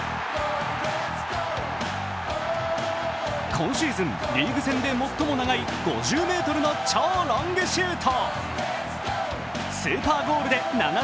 今シーズンリーグ戦で最も長い５０ｍの超ロングシュート。